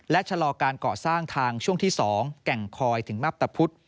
และชะลอการเกาะสร้างทางช่วงที่๒แก่งคอยถึงมับตะพุธ